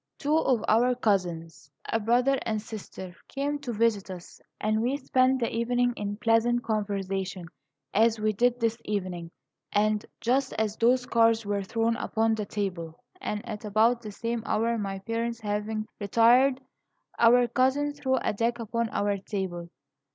"Two of our cousins, a brother and sister, came to visit us, and we spent the evening in pleasant conversation, as we did this evening; and just as those cards were thrown upon the table, and at about the same hour, my parents having retired, our cousin threw a deck upon our table.